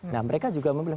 nah mereka juga memilih